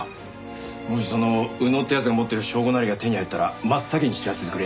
もしその宇野って奴が持ってる証拠なりが手に入ったら真っ先に知らせてくれ。